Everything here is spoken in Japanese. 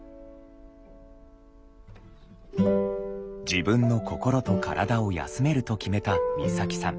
「自分の心と体を休める」と決めた光沙季さん。